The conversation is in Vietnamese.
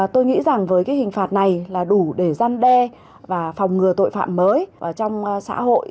tôi nghĩ rằng với cái hình phạt này là đủ để gian đe và phòng ngừa tội phạm mới trong xã hội